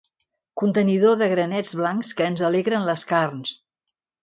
Contenidor de granets blancs que ens alegren les carns.